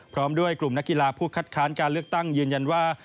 พร้อมด้วยกลุ่มนักกีฬาผู้คัดค้านการเลือกตั้งยืนยันว่า